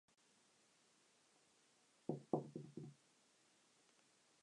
She discovers that they were a peaceful, spiritual, highly evolved society.